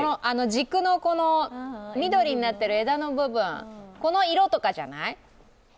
軸の、緑になってる枝の部分この色とかじゃない？